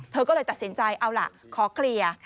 เธอก็เลยตัดสินใจเอาล่ะขอเคลียร์